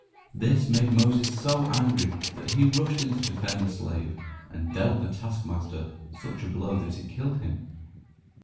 This made Moses so angry that he rushed in to defend the slave, and dealt the taskmaster such a blow that it killed him.